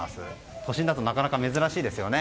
都心だとなかなか珍しいですよね。